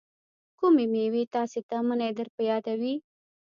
کومې میوې تاسې ته منی در په یادوي؟